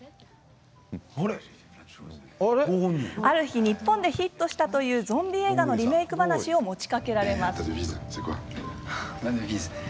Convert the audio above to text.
ある日、日本でヒットしたというゾンビ映画のリメーク話を持ちかけられます。